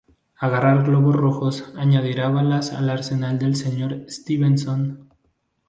Agarrar globos rojos añadirá balas al arsenal del Sr. Stevenson.